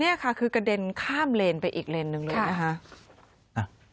นี่ค่ะคือกระเด็นข้ามเลนไปอีกเลนหนึ่งเลยนะคะ